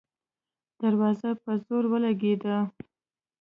دروازه په زور ولګېده.